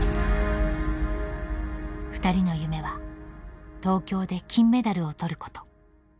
ふたりの夢は東京で金メダルを取ること。